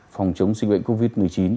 phòng chống dịch bệnh covid một mươi chín